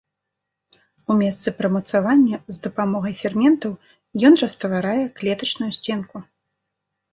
У месцы прымацавання з дапамогай ферментаў ён растварае клетачную сценку.